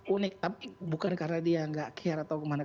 unik tapi bukan karena dia nggak care atau kemana